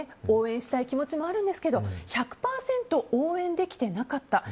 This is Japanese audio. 応援したい気持ちもあるんですけど１００％応援できてなかった。